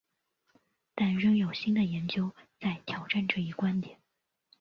但仍有新的研究在挑战这一观点。